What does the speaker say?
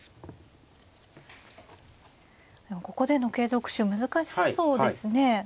ここでの継続手難しそうですね。